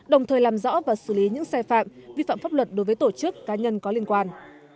đồng thời làm rõ và xử lý những sai phạm vi phạm pháp luật đối với tổ chức cá nhân có liên quan